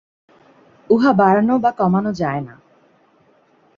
উহা বাড়ানো বা কমানো যায় না।